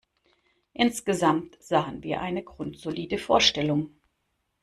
Insgesamt sahen wir eine grundsolide Vorstellung.